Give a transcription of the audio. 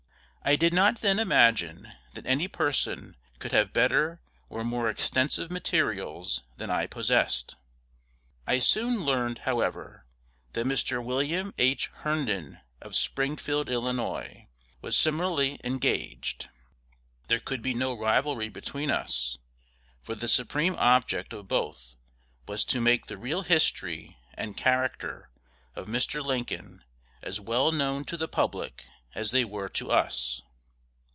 I did not then imagine that any person could have better or more extensive materials than I possessed. I soon learned, however, that Mr. William H. Herndon of Springfield, Ill., was similarly engaged. There could be no rivalry between us; for the supreme object of both was to make the real history and character of Mr. Lincoln as well known to the public as they were to us.